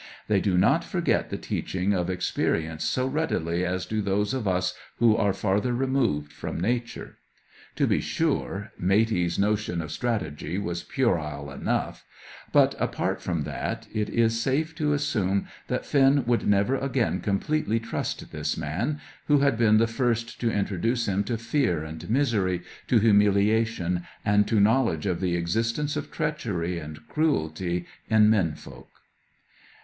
They do not forget the teaching of experience so readily as do those of us who are farther removed from Nature. To be sure, Matey's notion of strategy was puerile enough; but, apart from that, it is safe to assume that Finn would never again completely trust this man, who had been the first to introduce him to fear and misery, to humiliation, and to knowledge of the existence of treachery and cruelty in men folk.